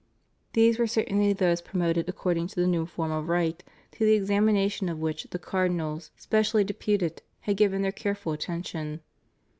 These were certainly those ANGLICAN ORDERS. 397 promoted according to the new form of rite, to the ex amination of which the Cardinals specially deputed had given their careful attention.